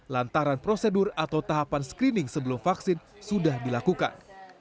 lantaran prosedur atau tahapan screening sebelum vaksin sudah dilakukan